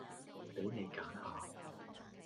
畀你揀下